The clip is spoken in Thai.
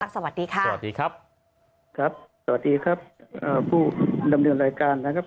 สวัสดีค่ะสวัสดีครับครับสวัสดีครับอ่าผู้ดำเนินรายการนะครับ